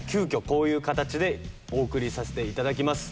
こういう形でお送りさせていただきます。